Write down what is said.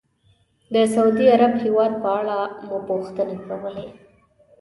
د سعودي عرب هېواد په اړه مو پوښتنې کولې.